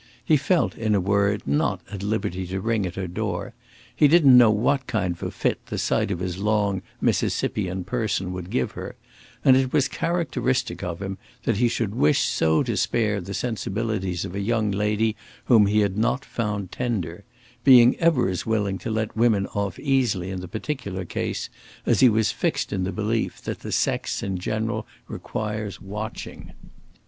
He felt, in a word, not at liberty to ring at her door; he didn't know what kind of a fit the sight of his long Mississippian person would give her, and it was characteristic of him that he should wish so to spare the sensibilities of a young lady whom he had not found tender; being ever as willing to let women off easily in the particular case as he was fixed in the belief that the sex in general requires watching.